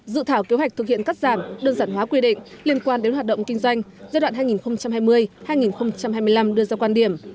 dự thảo kế hoạch thực hiện cắt giảm đơn giản hóa quy định liên quan đến hoạt động kinh doanh giai đoạn hai nghìn hai mươi hai nghìn hai mươi năm đưa ra quan điểm